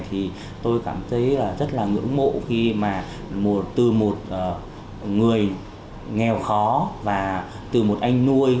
thì tôi cảm thấy rất là ngưỡng mộ khi mà từ một người nghèo khó và từ một anh nuôi